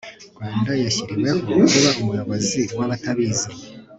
rwanda, yashyiriweho kuba umuyobozi wabatabizi